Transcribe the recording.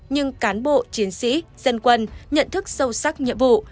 nhưng cán bộ chiến sĩ dân quân nhận thức sâu sắc nhiệm vụ